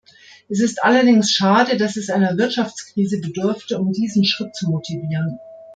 Es ist allerdings schade, dass es einer Wirtschaftskrise bedurfte, um diesen Schritt zu motivieren.